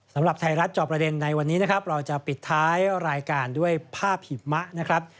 สำหรับไทยรัฐจอบประเด็นในวันนี้นะครับ